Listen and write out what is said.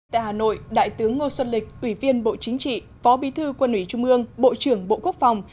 tại hà nội đại tướng ngô xuân lịch ủy viên bộ chính trị phó bí thư quân ủy trung ương bộ trưởng bộ quốc phòng